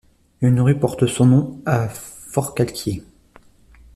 Une rue porte son nom à Forcalquier.